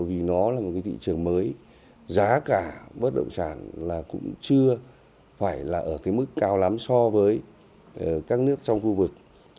vì nó là một thị trường mới giá cả bất động sản cũng chưa phải là ở mức cao lắm so với các nước trong khu vực